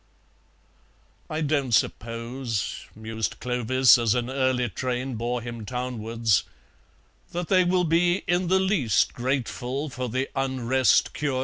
"I don't suppose," mused Clovis, as an early train bore him townwards, "that they will be in the least grateful for the Unrest cure."